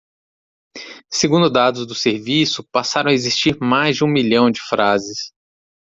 Segundo dados do serviço, passaram a existir mais de um milhão de frases.